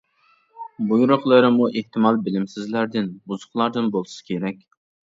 بۇيرۇقلىرىمۇ ئېھتىمال بىلىمسىزلەردىن، بۇزۇقلاردىن بولسا كېرەك.